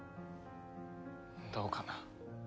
どうかな。